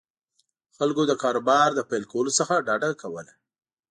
خلکو د کاروبار له پیل کولو څخه ډډه کوله.